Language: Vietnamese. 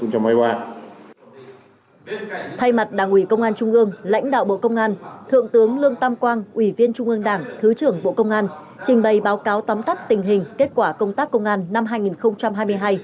thay mặt đảng ủy công an trung ương lãnh đạo bộ công an thượng tướng lương tam quang ủy viên trung ương đảng thứ trưởng bộ công an trình bày báo cáo tóm tắt tình hình kết quả công tác công an năm hai nghìn hai mươi hai